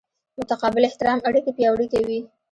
متقابل احترام اړیکې پیاوړې کوي.